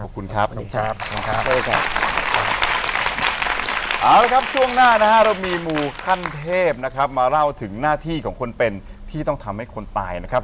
เอาล่ะครับช่วงหน้านะฮะเรามีหมูคั่นเทพนะครับมาเล่าถึงหน้าที่ของคนเป็นที่ต้องทำให้คนตายนะครับ